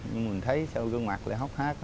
nhưng mình thấy gương mặt lại hóc hát